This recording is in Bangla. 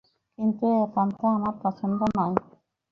কিন্তু এ পন্থা আমার পছন্দ নয়।